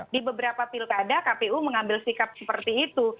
di beberapa pilkada kpu mengambil sikap seperti itu